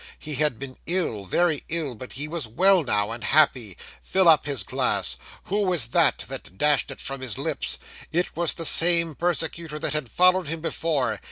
He had been ill, very ill, but he was well now, and happy. Fill up his glass. Who was that, that dashed it from his lips? It was the same persecutor that had followed him before.